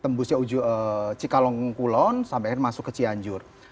tembusnya cikalongkulon sampai masuk ke cianjur